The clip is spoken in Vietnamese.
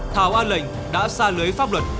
thảo an lệnh đã xa lưới pháp luật